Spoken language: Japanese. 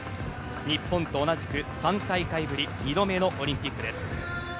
日本と同じく３大会ぶり２度目のオリンピックです。